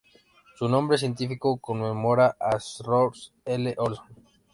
Su nombre científico conmemora a Storrs L. Olson.